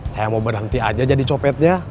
saya mau berhenti aja jadi copetnya